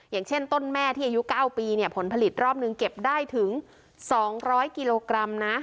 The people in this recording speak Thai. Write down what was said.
อย่างเช่นต้นแม่ที่อายุ๙ปีเนี่ยผลผลิตรอบนึงเก็บได้ถึง๒๐๐กิโลกรัมนะ